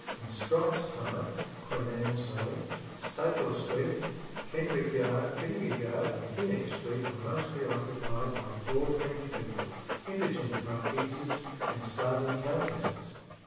In Strype's time (Queen Anne's reign), Stacie Street, Kendrick Yard, Vinegar Yard, and Phoenix Street, were mostly occupied by poor French people; indigent marquises and starving countesses.